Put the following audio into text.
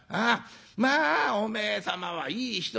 まあおめえ様はいい人だって。